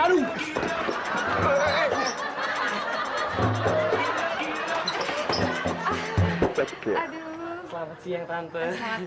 aduh selamat siang tante